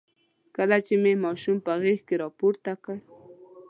کله چې مې ماشوم په غېږ کې راپورته کړ.